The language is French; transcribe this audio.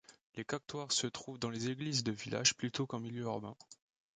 Les caquetoires se trouvent dans les églises de villages plutôt qu'en milieu urbain.